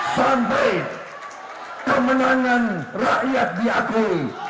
sampai kemenangan rakyat di aku